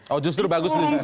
oh justru bagus